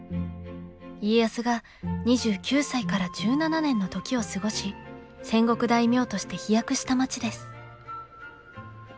家康が２９歳から１７年の時を過ごし戦国大名として飛躍した町です。